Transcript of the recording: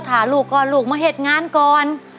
ถาลูกก่อนลูกมาเหตุงานก่อน